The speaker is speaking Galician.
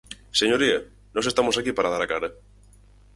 Señoría, nós estamos aquí para dar a cara.